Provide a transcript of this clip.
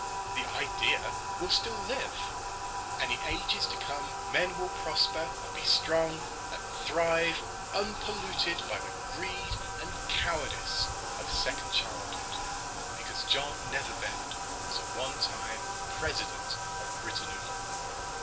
The idea will still live, and in ages to come men will prosper and be strong, and thrive, unpolluted by the greed and cowardice of second childhood, because John Neverbend was at one time President of Britannula.